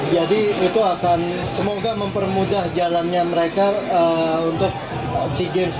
jadi itu akan semoga mempermudah jalannya mereka untuk sea games ini